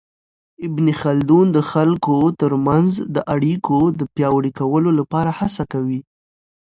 ابن خلدون د خلګو ترمنځ د اړیکو د پياوړي کولو لپاره هڅه کوي.